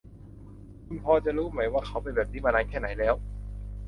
คุณพอจะรู้มั้ยว่าเขาเป็นแบบนี้มานานแค่ไหนแล้ว ?